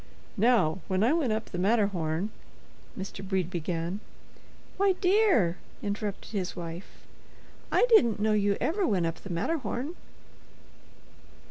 "Now, when I went up the Matterhorn" Mr. Brede began. "Why, dear," interrupted his wife, "I didn't know you ever went up the Matterhorn."